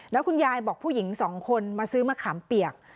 แล้วคุณยายบอกผู้หญิงสองคนมาซื้อมะขามเปียก